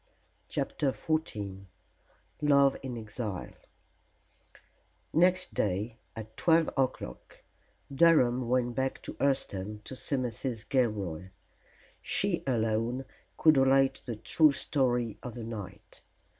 CHAPTER XIV LOVE IN EXILE Next day at twelve o'clock Durham went back to Hurseton to see Mrs. Gilroy. She alone could relate the true story of the night.